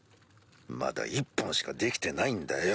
まだ１本しか出来てないんだよ